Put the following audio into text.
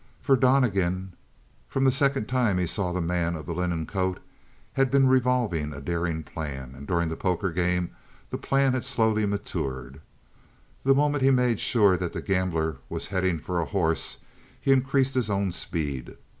For Donnegan, from the second time he saw the man of the linen coat, had been revolving a daring plan, and during the poker game the plan had slowly matured. The moment he made sure that the gambler was heading for a horse, he increased his own speed.